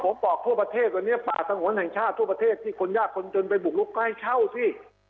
ผมบอกทั่วประเทศวันนี้ป่าสงวนแห่งชาติทั่วประเทศที่คนยากคนจนไปบุกลุกก็ให้เช่าสิ